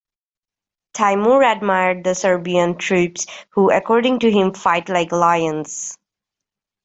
Timur admired the Serbian troops who according to him "fight like lions".